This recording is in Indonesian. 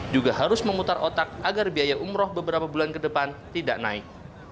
juga harus memutar otak agar biaya umroh beberapa bulan ke depan tidak naik